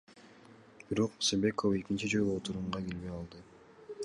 Бирок Мусабекова экинчи жолу отурумга келбей калды.